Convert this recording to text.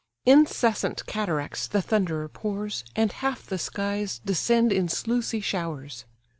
Incessant cataracts the Thunderer pours, And half the skies descend in sluicy showers.